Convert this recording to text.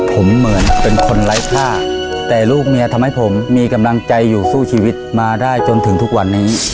ผมเหมือนเป็นคนไร้ค่าแต่ลูกเมียทำให้ผมมีกำลังใจอยู่สู้ชีวิตมาได้จนถึงทุกวันนี้